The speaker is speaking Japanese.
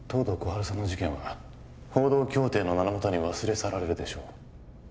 春さんの事件は報道協定の名のもとに忘れ去られるでしょう